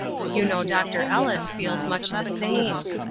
You know Doctor Ellis feels much the same.